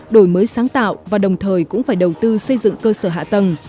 đổi mới sáng tạo và đồng thời cũng phải đầu tư xây dựng cơ sở hạ tầng